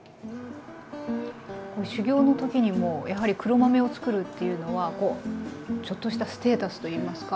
こう修業の時にもやはり黒豆をつくるというのはこうちょっとしたステータスといいますか。